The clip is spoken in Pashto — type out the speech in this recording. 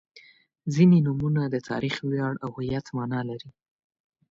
• ځینې نومونه د تاریخ، ویاړ او هویت معنا لري.